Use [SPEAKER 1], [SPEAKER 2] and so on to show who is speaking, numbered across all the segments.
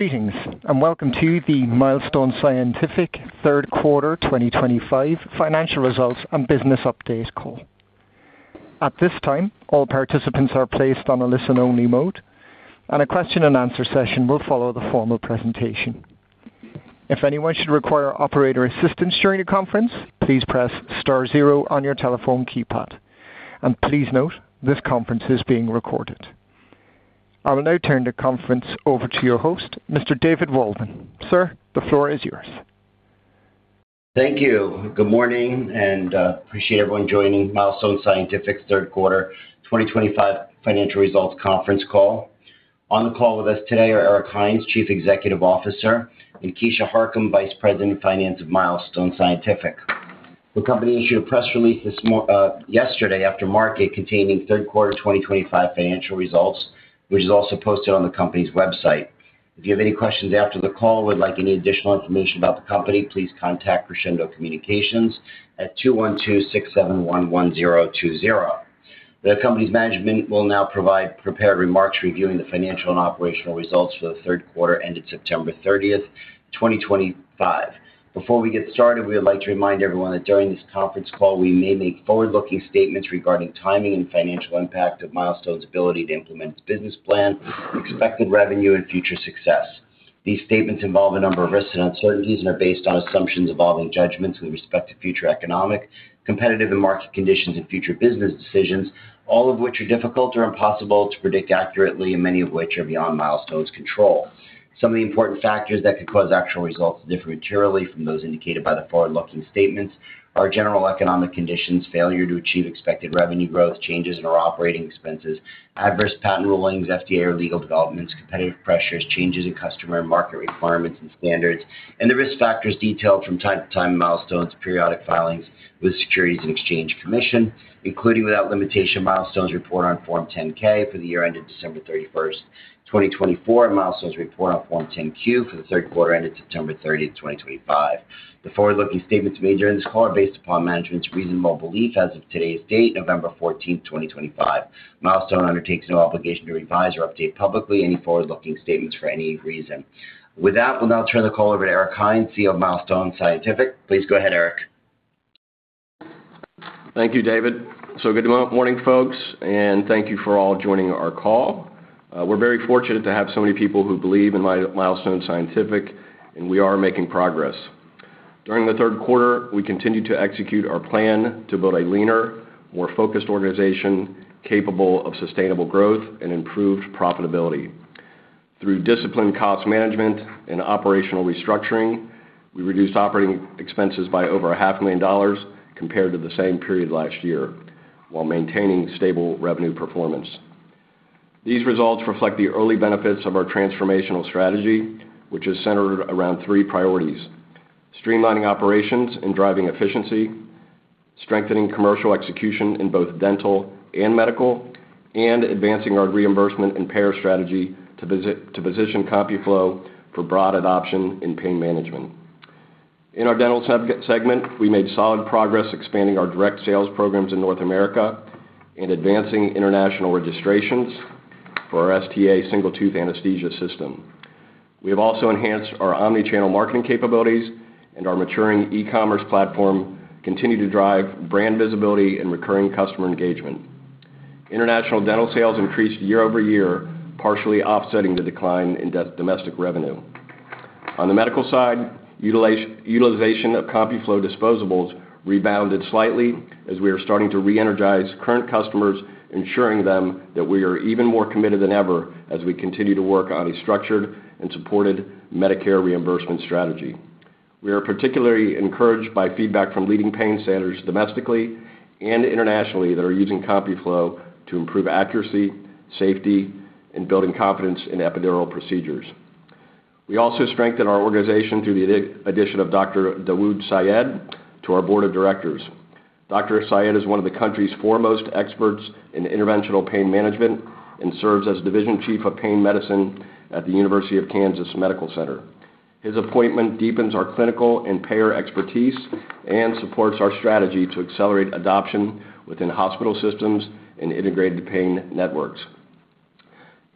[SPEAKER 1] Greetings and welcome to the Milestone Scientific third quarter 2025 financial results and business update call. At this time, all participants are placed on a listen-only mode, and a question-and-answer session will follow the formal presentation. If anyone should require operator assistance during the conference, please press star zero on your telephone keypad. Please note, this conference is being recorded. I will now turn the conference over to your host, Mr. David Waldman. Sir, the floor is yours.
[SPEAKER 2] Thank you. Good morning, and I appreciate everyone joining Milestone Scientific's third quarter 2025 financial results conference call. On the call with us today are Eric Hines, Chief Executive Officer, and Keisha Harcum, Vice President of Finance of Milestone Scientific. The company issued a press release yesterday after market containing third quarter 2025 financial results, which is also posted on the company's website. If you have any questions after the call or would like any additional information about the company, please contact Crescendo Communications at 212-671-1020. The company's management will now provide prepared remarks reviewing the financial and operational results for the third quarter ended September 30th, 2025. Before we get started, we would like to remind everyone that during this conference call, we may make forward-looking statements regarding timing and financial impact of Milestone's ability to implement its business plan, expected revenue, and future success. These statements involve a number of risks and uncertainties and are based on assumptions, evolving judgments with respect to future economic, competitive, and market conditions and future business decisions, all of which are difficult or impossible to predict accurately, and many of which are beyond Milestone's control. Some of the important factors that could cause actual results to differ materially from those indicated by the forward-looking statements are general economic conditions, failure to achieve expected revenue growth, changes in our operating expenses, adverse patent rulings, FDA or legal developments, competitive pressures, changes in customer and market requirements and standards, and the risk factors detailed from time to time in Milestone's periodic filings with the Securities and Exchange Commission, including without limitation Milestone's report on Form 10-K for the year ended December 31, 2024, and Milestone's report on Form 10-Q for the third quarter ended September 30, 2025. The forward-looking statements made during this call are based upon management's reasonable belief as of today's date, November 14th, 2025. Milestone undertakes no obligation to revise or update publicly any forward-looking statements for any reason. With that, we'll now turn the call over to Eric Hines, CEO of Milestone Scientific. Please go ahead, Eric.
[SPEAKER 3] Thank you, David. Good morning, folks, and thank you for all joining our call. We're very fortunate to have so many people who believe in Milestone Scientific, and we are making progress. During the third quarter, we continue to execute our plan to build a leaner, more focused organization capable of sustainable growth and improved profitability. Through disciplined cost management and operational restructuring, we reduced operating expenses by over $500,000 compared to the same period last year while maintaining stable revenue performance. These results reflect the early benefits of our transformational strategy, which is centered around three priorities: streamlining operations and driving efficiency, strengthening commercial execution in both dental and medical, and advancing our reimbursement and payer strategy to position CompuFlow for broad adoption in pain management. In our dental segment, we made solid progress expanding our direct sales programs in North America and advancing international registrations for our STA Single-Tooth Anesthesia System. We have also enhanced our omnichannel marketing capabilities, and our maturing e-commerce platform continued to drive brand visibility and recurring customer engagement. International dental sales increased year over year, partially offsetting the decline in domestic revenue. On the medical side, utilization of CompuFlow disposables rebounded slightly as we are starting to re-energize current customers, ensuring them that we are even more committed than ever as we continue to work on a structured and supported Medicare reimbursement strategy. We are particularly encouraged by feedback from leading pain centers domestically and internationally that are using CompuFlow to improve accuracy, safety, and building confidence in epidural procedures. We also strengthened our organization through the addition of Dr. Dawood Syed to our board of directors. Dr. Syed is one of the country's foremost experts in interventional pain management and serves as division chief of pain medicine at the University of Kansas Medical Center. His appointment deepens our clinical and payer expertise and supports our strategy to accelerate adoption within hospital systems and integrated pain networks.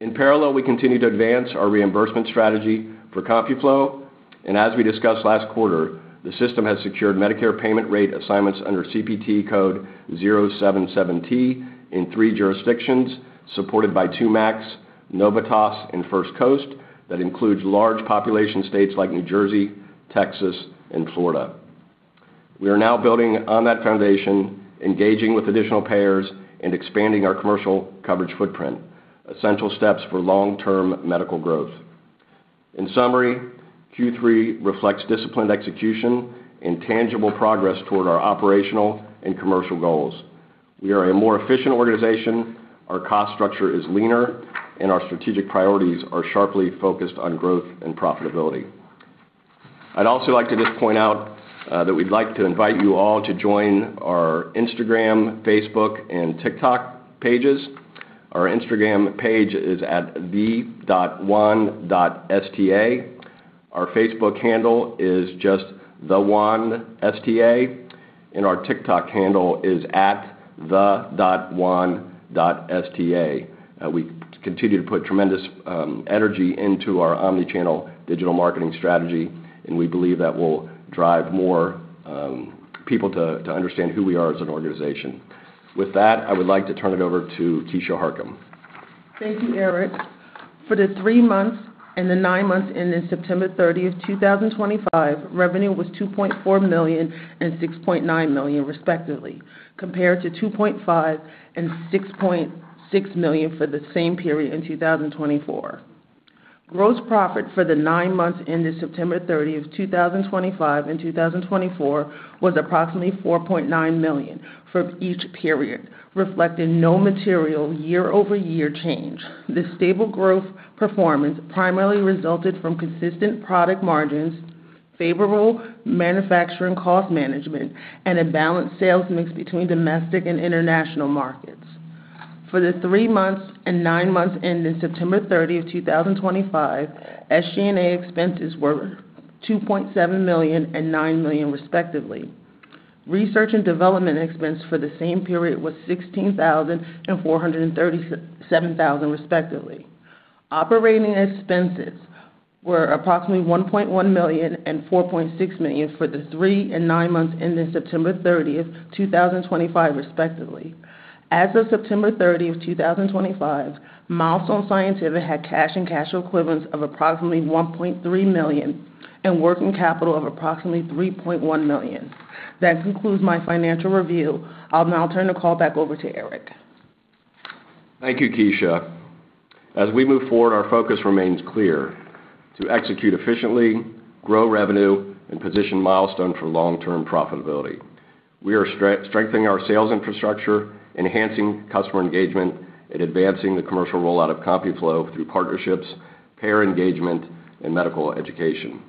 [SPEAKER 3] In parallel, we continue to advance our reimbursement strategy for CompuFlow, and as we discussed last quarter, the system has secured Medicare payment rate assignments under CPT code 077T in three jurisdictions supported by Novitas and First Coast that includes large population states like New Jersey, Texas, and Florida. We are now building on that foundation, engaging with additional payers, and expanding our commercial coverage footprint, essential steps for long-term medical growth. In summary, Q3 reflects disciplined execution and tangible progress toward our operational and commercial goals. We are a more efficient organization, our cost structure is leaner, and our strategic priorities are sharply focused on growth and profitability. I'd also like to just point out that we'd like to invite you all to join our Instagram, Facebook, and TikTok pages. Our Instagram page is at the.wan.sta. Our Facebook handle is just thewan.sta, and our TikTok handle is at the.wan.sta. We continue to put tremendous energy into our omnichannel digital marketing strategy, and we believe that will drive more people to understand who we are as an organization. With that, I would like to turn it over to Keisha Harcum.
[SPEAKER 4] Thank you, Eric. For the three months and the nine months ended September 30th, 2025, revenue was $2.4 million and $6.9 million, respectively, compared to $2.5 million and $6.6 million for the same period in 2024. Gross profit for the nine months ended September 30, 2025, and 2024 was approximately $4.9 million for each period, reflecting no material year-over-year change. This stable growth performance primarily resulted from consistent product margins, favorable manufacturing cost management, and a balanced sales mix between domestic and international markets. For the three months and nine months ended September 30, 2025, SG&A expenses were $2.7 million and $9 million, respectively. Research and development expenses for the same period were $16,000 and $437,000, respectively. Operating expenses were approximately $1.1 million and $4.6 million for the three and nine months ended September 30, 2025, respectively. As of September 30, 2025, Milestone Scientific had cash and cash equivalents of approximately $1.3 million and working capital of approximately $3.1 million. That concludes my financial review. I'll now turn the call back over to Eric.
[SPEAKER 3] Thank you, Keisha. As we move forward, our focus remains clear: to execute efficiently, grow revenue, and position Milestone Scientific for long-term profitability. We are strengthening our sales infrastructure, enhancing customer engagement, and advancing the commercial rollout of CompuFlow through partnerships, payer engagement, and medical education.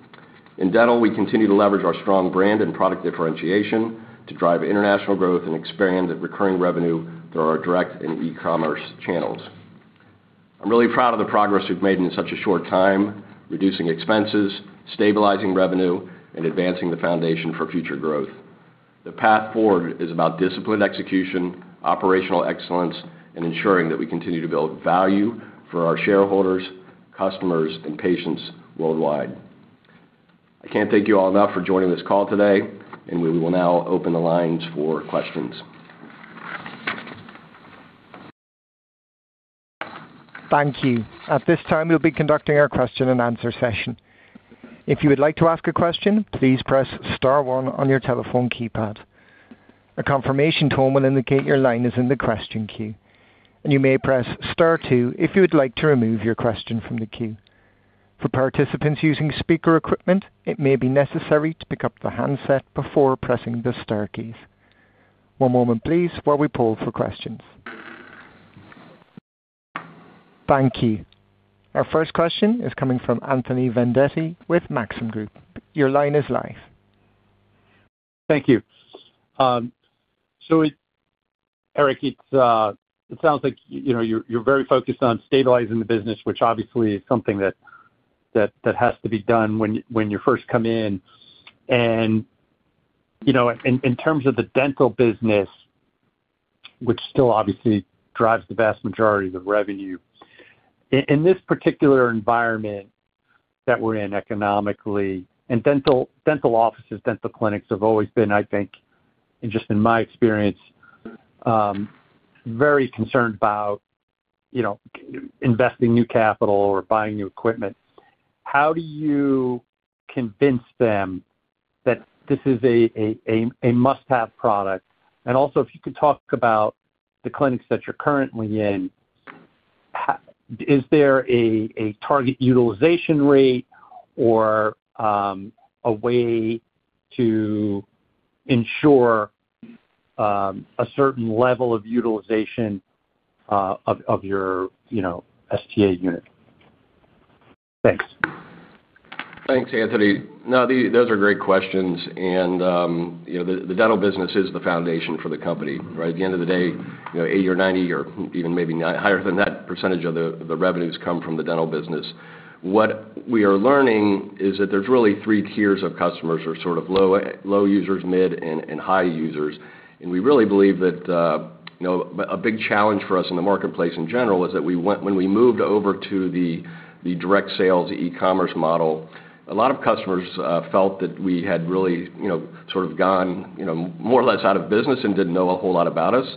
[SPEAKER 3] In dental, we continue to leverage our strong brand and product differentiation to drive international growth and expand recurring revenue through our direct and e-commerce channels. I'm really proud of the progress we've made in such a short time, reducing expenses, stabilizing revenue, and advancing the foundation for future growth. The path forward is about disciplined execution, operational excellence, and ensuring that we continue to build value for our shareholders, customers, and patients worldwide. I can't thank you all enough for joining this call today, and we will now open the lines for questions.
[SPEAKER 1] Thank you. At this time, we'll be conducting our question-and-answer session. If you would like to ask a question, please press star one on your telephone keypad. A confirmation tone will indicate your line is in the question queue, and you may press star two if you would like to remove your question from the queue. For participants using speaker equipment, it may be necessary to pick up the handset before pressing the star keys. One moment, please, while we poll for questions. Thank you. Our first question is coming from Anthony Vendetti with Maxim Group. Your line is live.
[SPEAKER 5] Thank you. Eric, it sounds like you're very focused on stabilizing the business, which obviously is something that has to be done when you first come in. In terms of the dental business, which still obviously drives the vast majority of the revenue, in this particular environment that we're in economically, and dental offices, dental clinics have always been, I think, just in my experience, very concerned about investing new capital or buying new equipment. How do you convince them that this is a must-have product? Also, if you could talk about the clinics that you're currently in, is there a target utilization rate or a way to ensure a certain level of utilization of your STA unit? Thanks.
[SPEAKER 3] Thanks, Anthony. No, those are great questions. The dental business is the foundation for the company, right? At the end of the day, 80% or 90% or even maybe higher than that percentage of the revenues come from the dental business. What we are learning is that there's really three tiers of customers: sort of low users, mid, and high users. We really believe that a big challenge for us in the marketplace in general is that when we moved over to the direct sales e-commerce model, a lot of customers felt that we had really sort of gone more or less out of business and did not know a whole lot about us.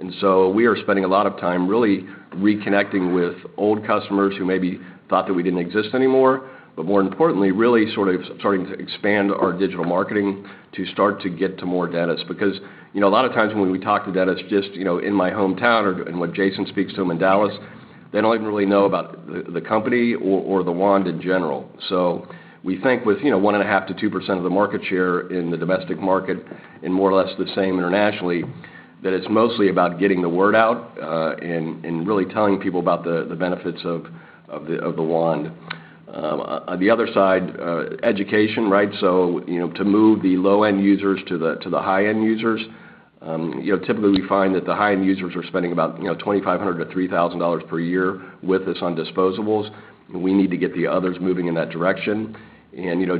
[SPEAKER 3] We are spending a lot of time really reconnecting with old customers who maybe thought that we did not exist anymore, but more importantly, really sort of starting to expand our digital marketing to start to get to more dentists. A lot of times when we talk to dentists just in my hometown or when Jason speaks to them in Dallas, they do not even really know about the company or The Wand in general. We think with 1.5%-2% of the market share in the domestic market and more or less the same internationally, that it is mostly about getting the word out and really telling people about the benefits of The Wand. On the other side, education, right? To move the low-end users to the high-end users. Typically, we find that the high-end users are spending about $2,500-$3,000 per year with us on disposables. We need to get the others moving in that direction.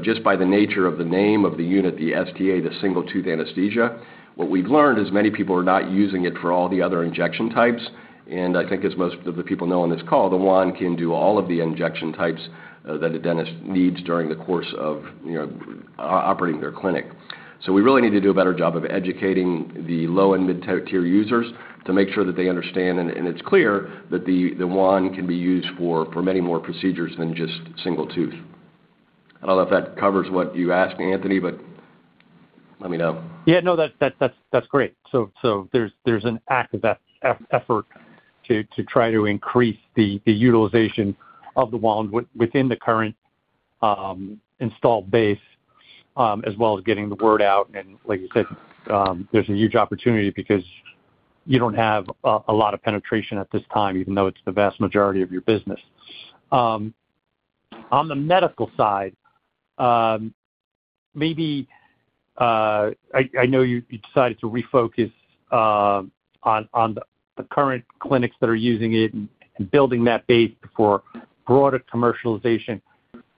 [SPEAKER 3] Just by the nature of the name of the unit, the STA, the single-tooth anesthesia, what we have learned is many people are not using it for all the other injection types. I think, as most of the people know on this call, The Wand can do all of the injection types that a dentist needs during the course of operating their clinic. We really need to do a better job of educating the low and mid-tier users to make sure that they understand, and it is clear that The Wand can be used for many more procedures than just single tooth. I do not know if that covers what you asked, Anthony, but let me know.
[SPEAKER 5] Yeah, no, that's great. There is an active effort to try to increase the utilization of The Wand within the current installed base, as well as getting the word out. Like you said, there is a huge opportunity because you do not have a lot of penetration at this time, even though it is the vast majority of your business. On the medical side, maybe I know you decided to refocus on the current clinics that are using it and building that base for broader commercialization.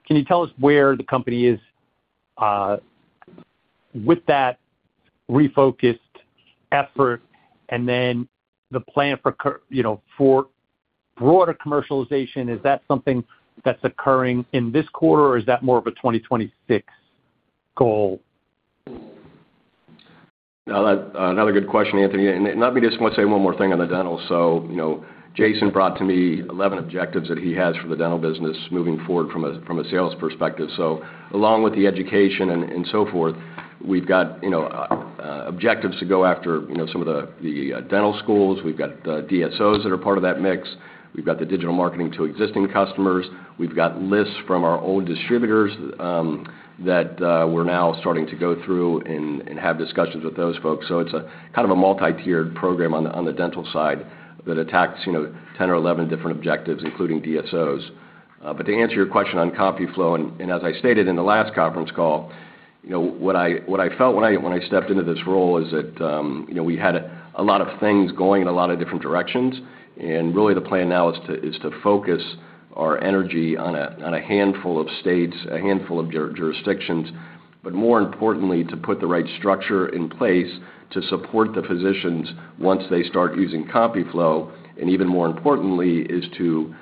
[SPEAKER 5] Can you tell us where the company is with that refocused effort and then the plan for broader commercialization? Is that something that is occurring in this quarter, or is that more of a 2026 goal?
[SPEAKER 3] Another good question, Anthony. Let me just say one more thing on the dental. Jason brought to me 11 objectives that he has for the dental business moving forward from a sales perspective. Along with the education and so forth, we have objectives to go after some of the dental schools. We have the DSOs that are part of that mix. We have the digital marketing to existing customers. We have lists from our old distributors that we are now starting to go through and have discussions with those folks. It is kind of a multi-tiered program on the dental side that attacks 10 or 11 different objectives, including DSOs. To answer your question on CompuFlow, and as I stated in the last conference call, what I felt when I stepped into this role is that we had a lot of things going in a lot of different directions. Really, the plan now is to focus our energy on a handful of states, a handful of jurisdictions, but more importantly, to put the right structure in place to support the physicians once they start using CompuFlow. Even more importantly, it is to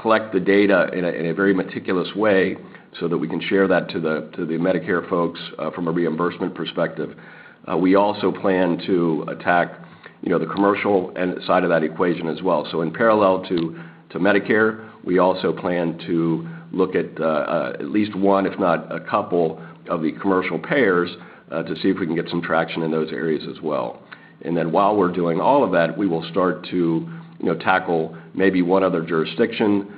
[SPEAKER 3] collect the data in a very meticulous way so that we can share that to the Medicare folks from a reimbursement perspective. We also plan to attack the commercial side of that equation as well. In parallel to Medicare, we also plan to look at at least one, if not a couple of the commercial payers to see if we can get some traction in those areas as well. While we're doing all of that, we will start to tackle maybe one other jurisdiction.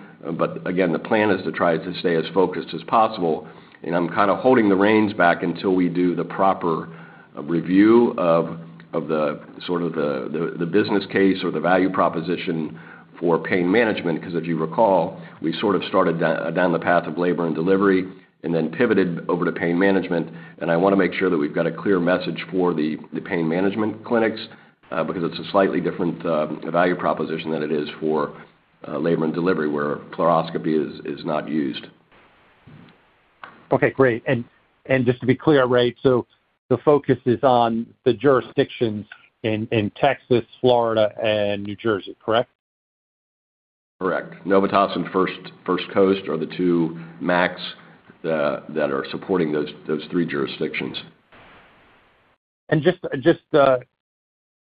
[SPEAKER 3] Again, the plan is to try to stay as focused as possible. I'm kind of holding the reins back until we do the proper review of sort of the business case or the value proposition for pain management. As you recall, we sort of started down the path of labor and delivery and then pivoted over to pain management. I want to make sure that we've got a clear message for the pain management clinics because it's a slightly different value proposition than it is for labor and delivery where fluoroscopy is not used.
[SPEAKER 5] Okay, great. Just to be clear, right, the focus is on the jurisdictions in Texas, Florida, and New Jersey, correct?
[SPEAKER 3] Correct. Novitas and First Coast are the two MACs that are supporting those three jurisdictions.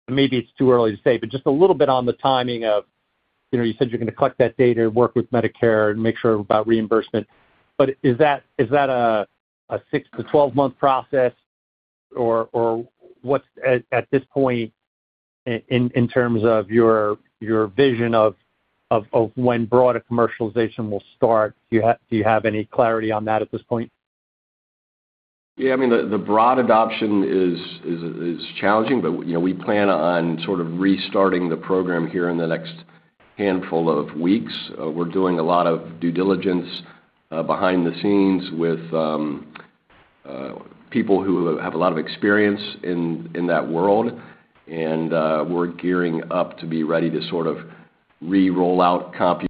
[SPEAKER 5] Maybe it's too early to say, but just a little bit on the timing of you said you're going to collect that data, work with Medicare, and make sure about reimbursement. Is that a 6-12 month process, or what's at this point in terms of your vision of when broader commercialization will start? Do you have any clarity on that at this point?
[SPEAKER 3] Yeah, I mean, the broad adoption is challenging, but we plan on sort of restarting the program here in the next handful of weeks. We're doing a lot of due diligence behind the scenes with people who have a lot of experience in that world. And we're gearing up to be ready to sort of re-roll out CompuFlow.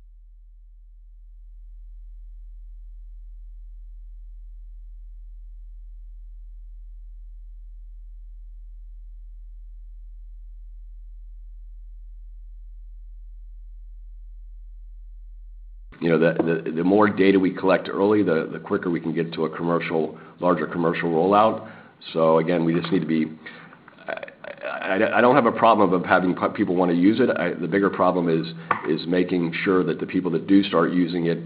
[SPEAKER 3] The more data we collect early, the quicker we can get to a larger commercial rollout. Again, we just need to be, I don't have a problem of having people want to use it. The bigger problem is making sure that the people that do start using it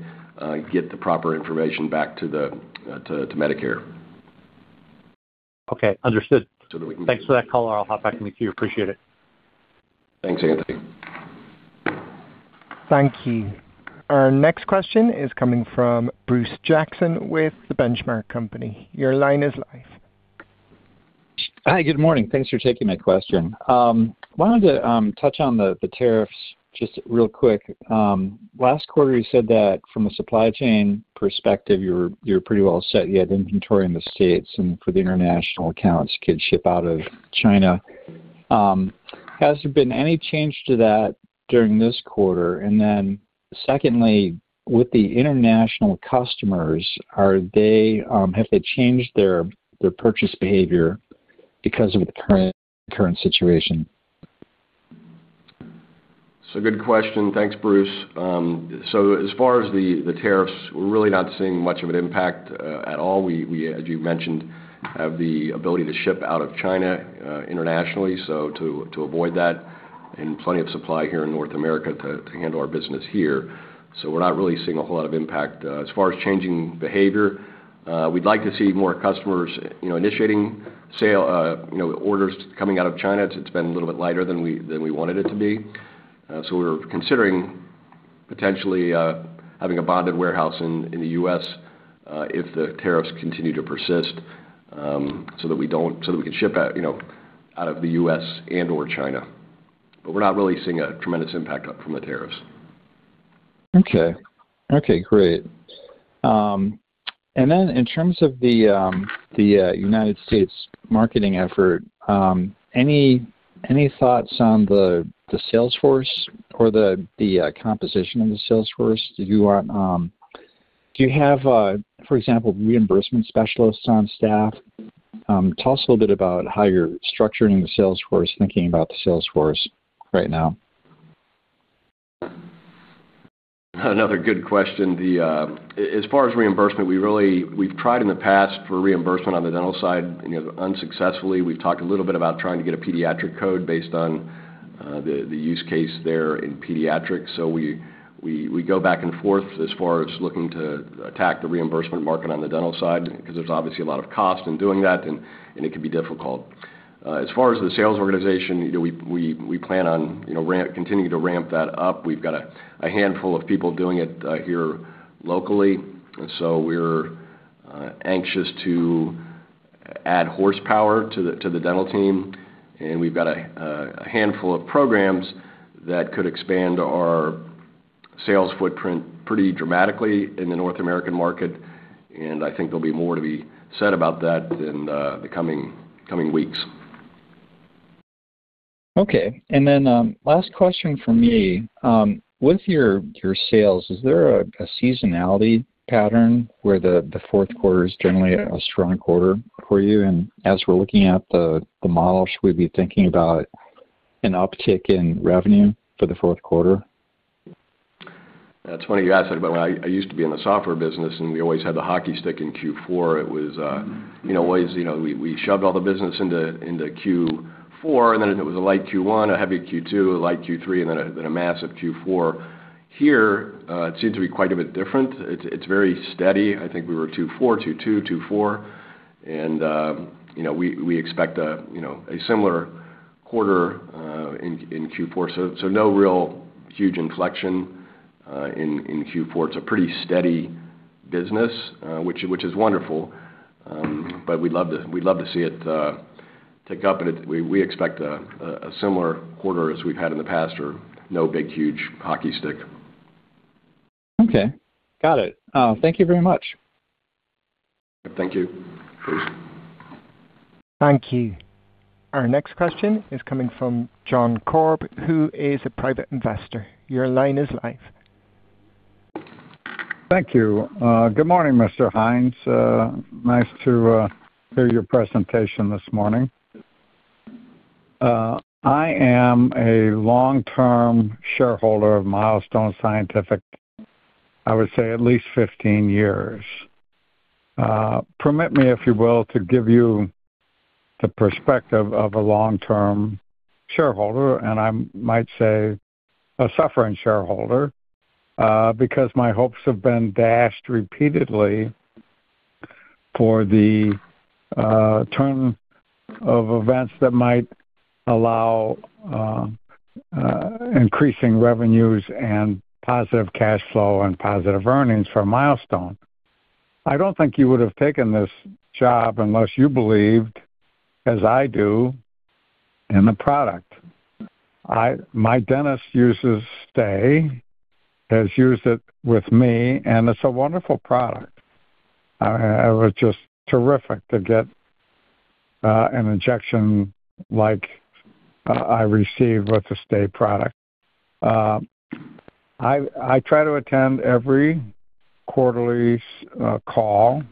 [SPEAKER 3] get the proper information back to Medicare.
[SPEAKER 5] Okay, understood. Thanks for that call. I'll hop back in with you. Appreciate it.
[SPEAKER 2] Thanks, Anthony.
[SPEAKER 1] Thank you. Our next question is coming from Bruce Jackson with Benchmark Company. Your line is live.
[SPEAKER 6] Hi, good morning. Thanks for taking my question. I wanted to touch on the tariffs just real quick. Last quarter, you said that from a supply chain perspective, you're pretty well set. You had inventory in the States, and for the international accounts, kits ship out of China. Has there been any change to that during this quarter? Secondly, with the international customers, have they changed their purchase behavior because of the current situation?
[SPEAKER 3] That's a good question. Thanks, Bruce. As far as the tariffs, we're really not seeing much of an impact at all. We, as you mentioned, have the ability to ship out of China internationally to avoid that, and plenty of supply here in North America to handle our business here. We're not really seeing a whole lot of impact. As far as changing behavior, we'd like to see more customers initiating orders coming out of China. It's been a little bit lighter than we wanted it to be. We're considering potentially having a bonded warehouse in the U.S. if the tariffs continue to persist so that we can ship out of the U.S. and/or China. We're not really seeing a tremendous impact from the tariffs.
[SPEAKER 6] Okay. Okay, great. In terms of the United States marketing effort, any thoughts on the salesforce or the composition of the salesforce? Do you have, for example, reimbursement specialists on staff? Tell us a little bit about how you're structuring the salesforce, thinking about the salesforce right now.
[SPEAKER 3] Another good question. As far as reimbursement, we've tried in the past for reimbursement on the dental side, unsuccessfully. We've talked a little bit about trying to get a pediatric code based on the use case there in pediatrics. We go back and forth as far as looking to attack the reimbursement market on the dental side because there's obviously a lot of cost in doing that, and it can be difficult. As far as the sales organization, we plan on continuing to ramp that up. We've got a handful of people doing it here locally. We are anxious to add horsepower to the dental team. We've got a handful of programs that could expand our sales footprint pretty dramatically in the North American market. I think there'll be more to be said about that in the coming weeks.
[SPEAKER 6] Okay. And then last question for me. With your sales, is there a seasonality pattern where the fourth quarter is generally a strong quarter for you? As we're looking at the model, should we be thinking about an uptick in revenue for the fourth quarter?
[SPEAKER 3] That's funny. I used to be in the software business, and we always had the hockey stick in Q4. It was always we shoved all the business into Q4, and then it was a light Q1, a heavy Q2, a light Q3, and then a massive Q4. Here, it seems to be quite a bit different. It's very steady. I think we were Q4, Q2, Q4. We expect a similar quarter in Q4. No real huge inflection in Q4. It's a pretty steady business, which is wonderful. We'd love to see it tick up. We expect a similar quarter as we've had in the past or no big huge hockey stick.
[SPEAKER 6] Okay. Got it. Thank you very much.
[SPEAKER 3] Thank you.
[SPEAKER 1] Thank you. Our next question is coming from John Korb, who is a private investor. Your line is live.
[SPEAKER 7] Thank you. Good morning, Mr. Hines. Nice to hear your presentation this morning. I am a long-term shareholder of Milestone Scientific, I would say at least 15 years. Permit me, if you will, to give you the perspective of a long-term shareholder, and I might say a suffering shareholder, because my hopes have been dashed repeatedly for the turn of events that might allow increasing revenues and positive cash flow and positive earnings for Milestone. I don't think you would have taken this job unless you believed, as I do, in the product. My dentist uses STA, has used it with me, and it's a wonderful product. It was just terrific to get an injection like I received with the STA product. I try to attend every quarterly call.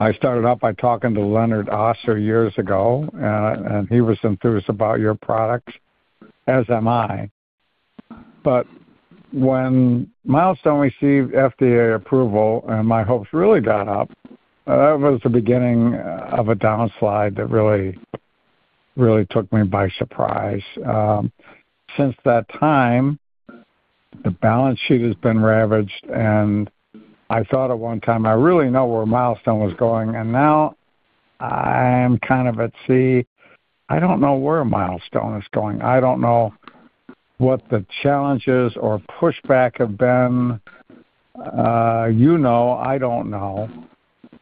[SPEAKER 7] I started off by talking to Leonard Osser years ago, and he was enthused about your products, as am I. When Milestone received FDA approval and my hopes really got up, that was the beginning of a downslide that really took me by surprise. Since that time, the balance sheet has been ravaged. I thought at one time, "I really know where Milestone was going." Now I am kind of at sea. I do not know where Milestone is going. I do not know what the challenges or pushback have been. You know, I do not know.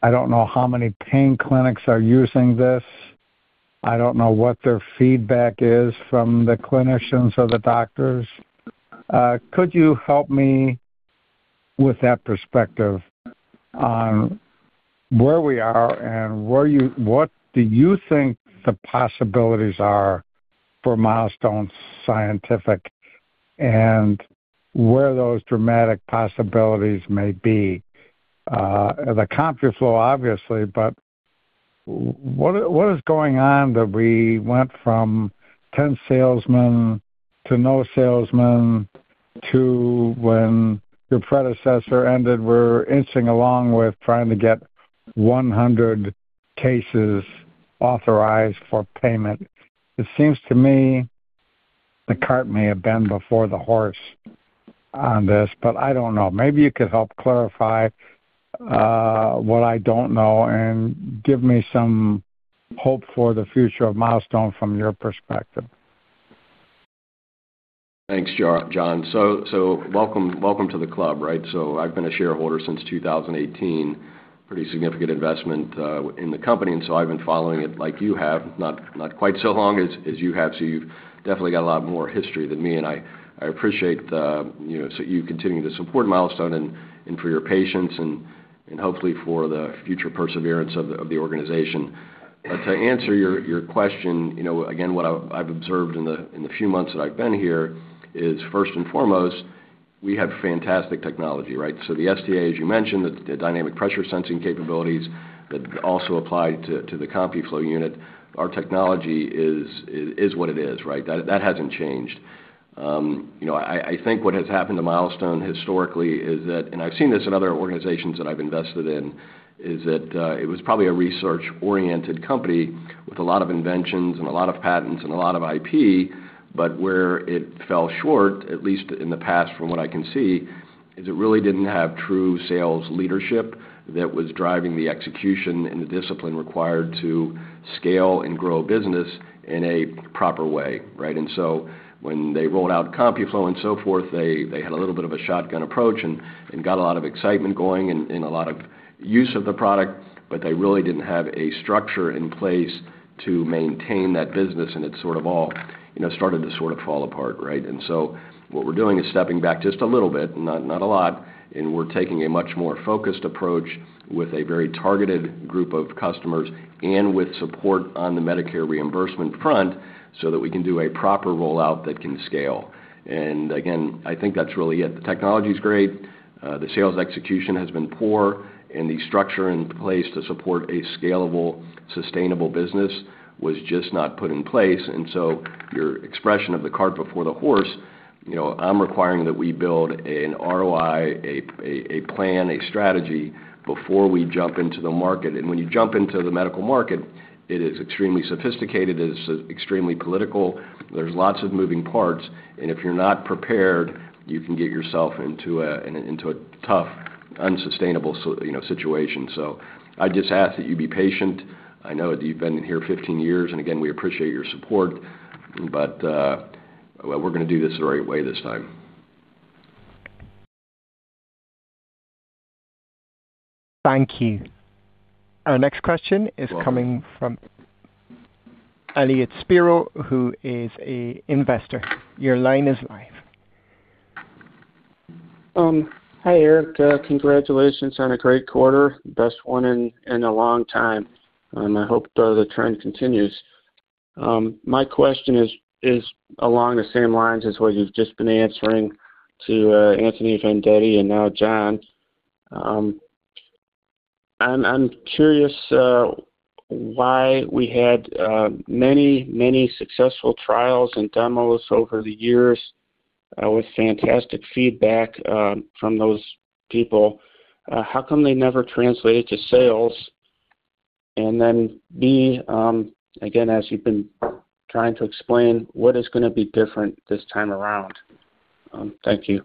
[SPEAKER 7] I do not know how many pain clinics are using this. I do not know what their feedback is from the clinicians or the doctors. Could you help me with that perspective on where we are and what do you think the possibilities are for Milestone Scientific and where those dramatic possibilities may be? The CompuFlow, obviously, but what is going on that we went from 10 salesmen to no salesmen to when your predecessor ended, we're inching along with trying to get 100 cases authorized for payment. It seems to me the cart may have been before the horse on this, but I don't know. Maybe you could help clarify what I don't know and give me some hope for the future of Milestone from your perspective.
[SPEAKER 3] Thanks, John. Welcome to the club, right? I've been a shareholder since 2018, pretty significant investment in the company. I've been following it like you have, not quite so long as you have. You've definitely got a lot more history than me. I appreciate you continuing to support Milestone and for your patience and hopefully for the future perseverance of the organization. To answer your question, again, what I've observed in the few months that I've been here is, first and foremost, we have fantastic technology, right? The STA, as you mentioned, the dynamic pressure sensing capabilities that also apply to the CompuFlow unit, our technology is what it is, right? That hasn't changed. I think what has happened to Milestone historically is that, and I've seen this in other organizations that I've invested in, is that it was probably a research-oriented company with a lot of inventions and a lot of patents and a lot of IP, but where it fell short, at least in the past, from what I can see, is it really didn't have true sales leadership that was driving the execution and the discipline required to scale and grow a business in a proper way, right? When they rolled out CompuFlow and so forth, they had a little bit of a shotgun approach and got a lot of excitement going and a lot of use of the product, but they really didn't have a structure in place to maintain that business. It sort of all started to sort of fall apart, right? What we're doing is stepping back just a little bit, not a lot, and we're taking a much more focused approach with a very targeted group of customers and with support on the Medicare reimbursement front so that we can do a proper rollout that can scale. I think that's really it. The technology is great. The sales execution has been poor. The structure in place to support a scalable, sustainable business was just not put in place. Your expression of the cart before the horse, I'm requiring that we build an ROI, a plan, a strategy before we jump into the market. When you jump into the medical market, it is extremely sophisticated. It is extremely political. There are lots of moving parts. If you're not prepared, you can get yourself into a tough, unsustainable situation. I just ask that you be patient. I know that you've been here 15 years. Again, we appreciate your support. We're going to do this the right way this time.
[SPEAKER 1] Thank you. Our next question is coming from Elliot Spiro, who is an investor. Your line is live.
[SPEAKER 8] Hi, Eric. Congratulations on a great quarter, best one in a long time. I hope the trend continues. My question is along the same lines as what you've just been answering to Anthony Vendetti and now John. I'm curious why we had many, many successful trials and demos over the years with fantastic feedback from those people. How come they never translated to sales? Then B, again, as you've been trying to explain, what is going to be different this time around? Thank you.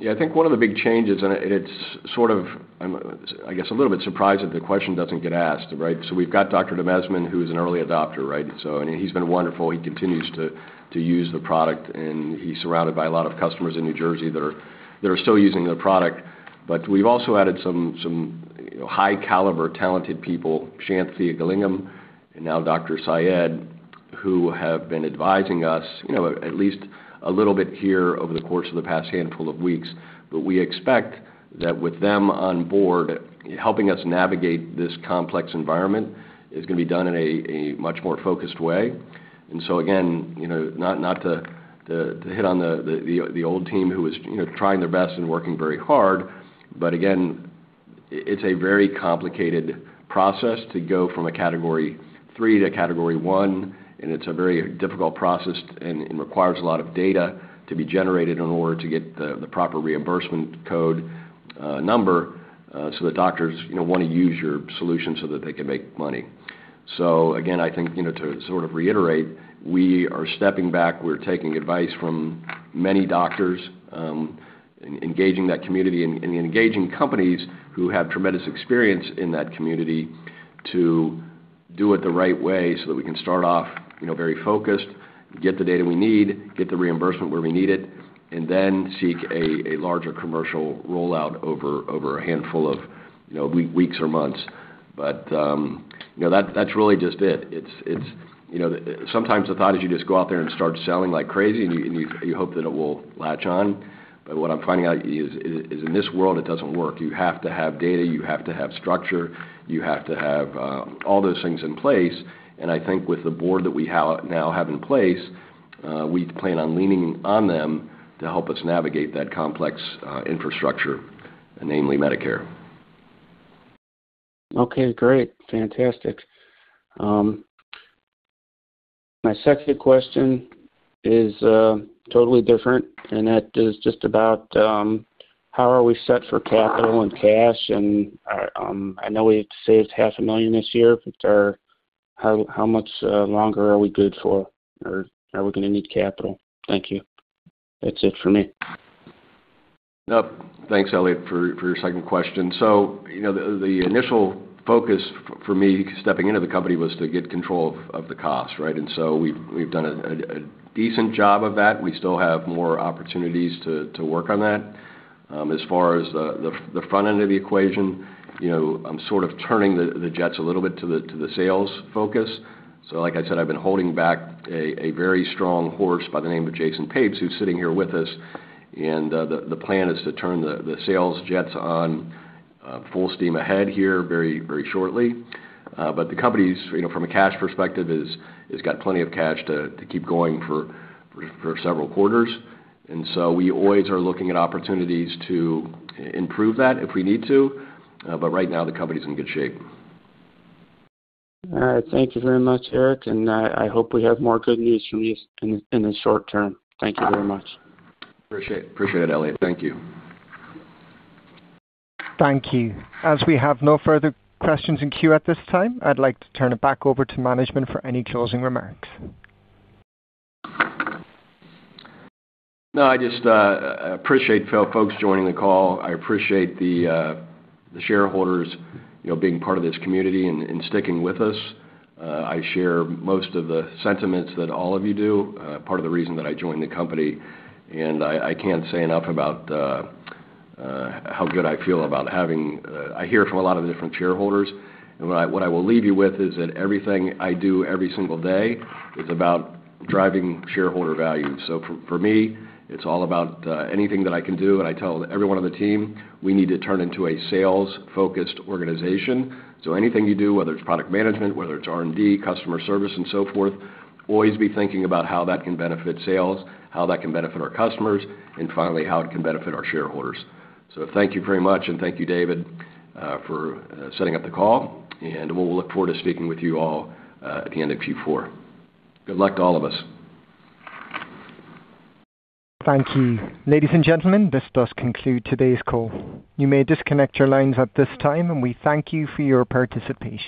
[SPEAKER 3] Yeah. I think one of the big changes, and it's sort of, I guess, a little bit surprising that the question doesn't get asked, right? We've got Dr. D'Amazman, who is an early adopter, right? I mean, he's been wonderful. He continues to use the product. He's surrounded by a lot of customers in New Jersey that are still using the product. We've also added some high-caliber, talented people, Chanthea Gillingham and now Dr. Syed, who have been advising us at least a little bit here over the course of the past handful of weeks. We expect that with them on board, helping us navigate this complex environment is going to be done in a much more focused way. Again, not to hit on the old team who is trying their best and working very hard, but again, it is a very complicated process to go from a category three to category one. It is a very difficult process and requires a lot of data to be generated in order to get the proper reimbursement code number so that doctors want to use your solution so that they can make money. I think to sort of reiterate, we are stepping back. We are taking advice from many doctors, engaging that community, and engaging companies who have tremendous experience in that community to do it the right way so that we can start off very focused, get the data we need, get the reimbursement where we need it, and then seek a larger commercial rollout over a handful of weeks or months. That is really just it. Sometimes the thought is you just go out there and start selling like crazy, and you hope that it will latch on. What I'm finding out is in this world, it doesn't work. You have to have data. You have to have structure. You have to have all those things in place. I think with the board that we now have in place, we plan on leaning on them to help us navigate that complex infrastructure, namely Medicare.
[SPEAKER 8] Okay. Great. Fantastic. My second question is totally different. That is just about how are we set for capital and cash? I know we saved $500,000 this year. How much longer are we good for? Are we going to need capital? Thank you. That's it for me.
[SPEAKER 3] Nope. Thanks, Elliot, for your second question. The initial focus for me stepping into the company was to get control of the cost, right? We have done a decent job of that. We still have more opportunities to work on that. As far as the front end of the equation, I am sort of turning the jets a little bit to the sales focus. Like I said, I have been holding back a very strong horse by the name of Jason Papes, who is sitting here with us. The plan is to turn the sales jets on full steam ahead here very shortly. The company, from a cash perspective, has got plenty of cash to keep going for several quarters. We always are looking at opportunities to improve that if we need to. Right now, the company is in good shape.
[SPEAKER 8] All right. Thank you very much, Eric. I hope we have more good news from you in the short term. Thank you very much.
[SPEAKER 3] Appreciate it, Elliot. Thank you.
[SPEAKER 1] Thank you. As we have no further questions in queue at this time, I'd like to turn it back over to management for any closing remarks.
[SPEAKER 3] No, I just appreciate folks joining the call. I appreciate the shareholders being part of this community and sticking with us. I share most of the sentiments that all of you do. Part of the reason that I joined the company. I cannot say enough about how good I feel about having I hear from a lot of the different shareholders. What I will leave you with is that everything I do every single day is about driving shareholder value. For me, it is all about anything that I can do. I tell everyone on the team, we need to turn into a sales-focused organization. Anything you do, whether it is product management, whether it is R&D, customer service, and so forth, always be thinking about how that can benefit sales, how that can benefit our customers, and finally, how it can benefit our shareholders. Thank you very much. Thank you, David, for setting up the call. We'll look forward to speaking with you all at the end of Q4. Good luck to all of us.
[SPEAKER 1] Thank you. Ladies and gentlemen, this does conclude today's call. You may disconnect your lines at this time, and we thank you for your participation.